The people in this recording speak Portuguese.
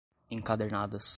encadernadas